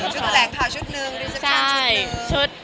ชุดแถลงขาวชุดหนึ่งชุดรีเซปชั่นชุดหนึ่ง